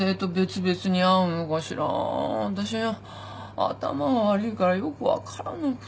私頭が悪いからよく分からなくて。